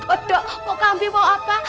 oda mau kambing mau apa